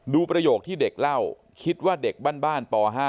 ประโยคที่เด็กเล่าคิดว่าเด็กบ้านป๕